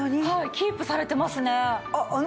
キープされてますね。